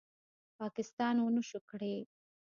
پاکستان ونشو کړې